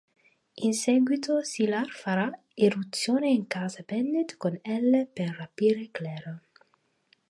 In seguito Sylar farà irruzione in casa Bennet con Elle per rapire Claire.